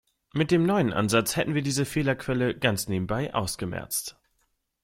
Mit dem neuen Ansatz hätten wir diese Fehlerquelle ganz nebenbei ausgemerzt.